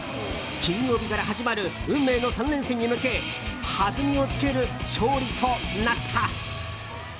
金曜日から始まる運命の３連戦に向け弾みをつける勝利となった！